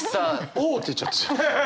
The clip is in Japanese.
「おう！」って言っちゃってる。